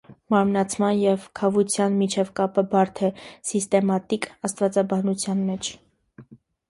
Մարմնացման և քավության միջև կապը բարդ է սիստեմատիկ աստվածաբանության մեջ։